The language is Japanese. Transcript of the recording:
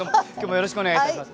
よろしくお願いします。